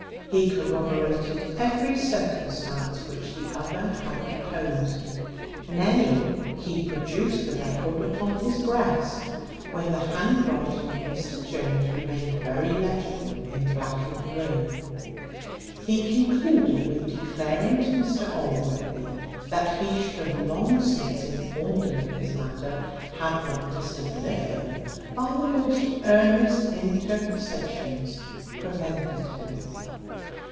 He corroborated every circumstance which the other had deposed; nay, he produced the record upon his breast, where the handwriting of Mr Jones remained very legible in black and blue. He concluded with declaring to Mr Allworthy, that he should have long since informed him of this matter, had not Mr Blifil, by the most earnest interpositions, prevented him.